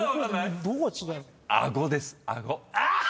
どこが違う？